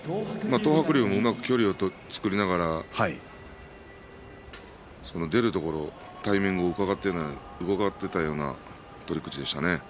東白龍が距離を作りながら出るところ、タイミングを伺っているような取り口でしたね。